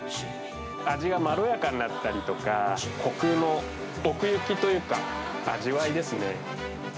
味がまろやかになったりとか、コクの奥行きというか、味わいですね。